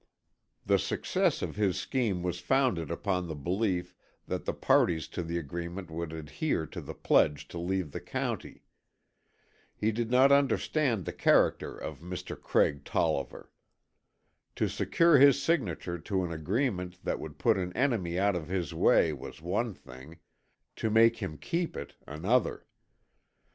The success of his scheme was founded upon the belief that the parties to the agreement would adhere to the pledge to leave the county. He did not understand the character of Craig Tolliver. To secure his signature to an agreement that would put an enemy out of his way was one thing, to make him keep it, another.